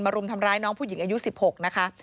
รุมทำร้ายน้องผู้หญิงอายุ๑๖นะคะ